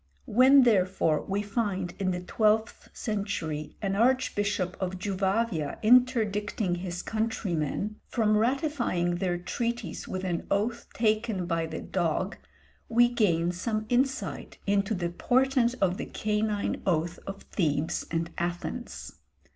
" When, therefore, we find in the twelfth century an archbishop of Juvavia interdicting his countrymen from ratifying their treaties with an oath taken by the dog, we gain some insight into the portent of the canine oath of Thebes and Athens.